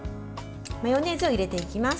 マヨネーズを入れていきます。